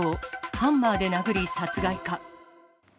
ハンマーで殴り殺害か。